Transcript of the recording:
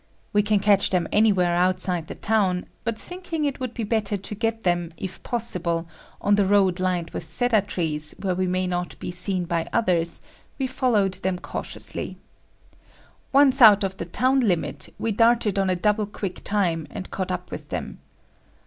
We can catch them anywhere outside the town, but thinking it would be better to get them, if possible, on the road lined with cedar trees where we may not be seen by others, we followed them cautiously. Once out of the town limit, we darted on a double quick time, and caught up with them.